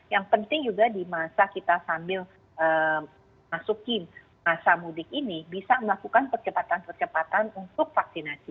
yang penting juga di masa kita sambil masukin masa mudik ini bisa melakukan percepatan percepatan untuk vaksinasi